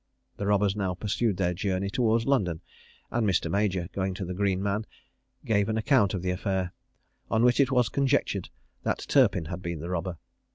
The robbers now pursued their journey towards London; and Mr. Major, going to the Green Man, gave an account of the affair; on which it was conjectured that Turpin had been the robber.